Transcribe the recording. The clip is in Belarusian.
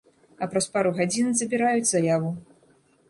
А праз пару гадзін забіраюць заяву.